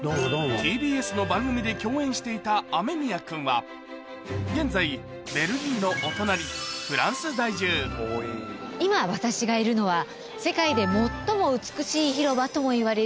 ＴＢＳの番組で共演していた雨宮君は現在ベルギーのお隣フランス在住今私がいるのは世界で最も美しい広場ともいわれる。